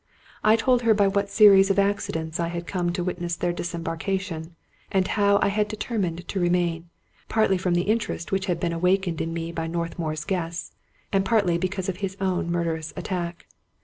I told her by what series of accidents I had come to witness their disembarkation, and how I had determined to remain, partly from the interest which had been awakened in me by Northmour's guests, and partly because of his own murderous attack.